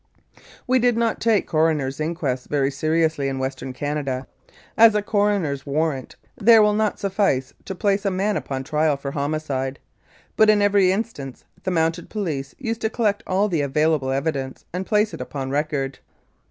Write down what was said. We did not take coroner's inquests very seriously in Western Canada, as a coroner's warrant there will not suffice to place a man upon trial for homicide; but, in every instance, the Mounted Police used to collect all the available evidence and place it upon record.